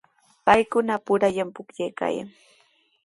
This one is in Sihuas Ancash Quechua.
Paykunapurallami pukllaykaayan.